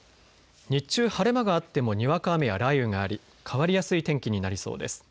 日中、晴れ間があってもにわか雨や雷雨があり変わりやすい天気になりそうです。